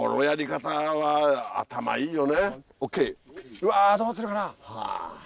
うわどうなってるかな？